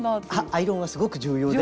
アイロンはすごく重要で。